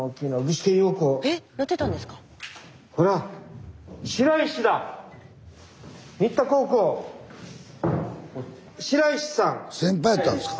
スタジオ先輩やったんですか？